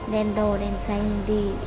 đem đồ đem xanh đi